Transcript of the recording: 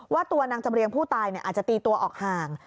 ว่าตัวนางจำเรียงผู้ตายอาจจะตีตัวออกห่าง